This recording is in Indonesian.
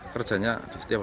kerjanya di setiap rumah